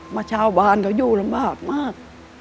ชาวบ้านเขาอยู่ลำบากมาก